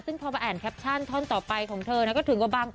ซึ่งพอมาอ่านแคปชั่นท่อนต่อไปของเธอนะก็ถึงกับบัง